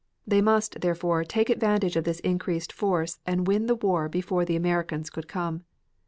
They must, therefore, take advantage of this increased force and win the war before the Americans could come.